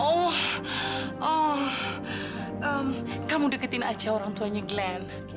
oh kamu deketin aja orang tuanya glenn